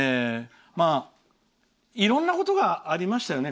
いろんなことがありましたよね